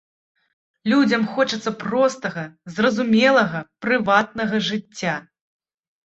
Людзям хочацца простага, зразумелага, прыватнага жыцця.